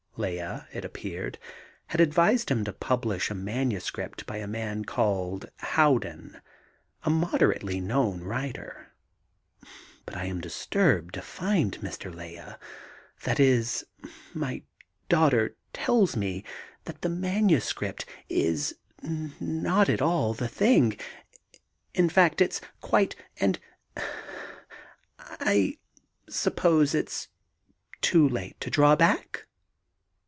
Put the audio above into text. Lea, it appeared, had advised him to publish a manuscript by a man called Howden a moderately known writer.... "But I am disturbed to find, Mr. Lea, that is, my daughter tells me that the manuscript is not ... is not at all the thing.... In fact, it's quite and eh ... I suppose it's too late to draw back?"